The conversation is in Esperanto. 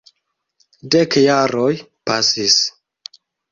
Dek jaroj pasis.